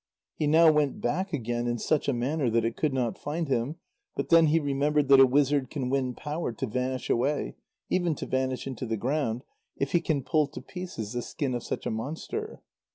He now went back again in such a manner that it could not find him, but then he remembered that a wizard can win power to vanish away, even to vanish into the ground, if he can pull to pieces the skin of such a monster.